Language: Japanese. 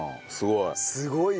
すごい。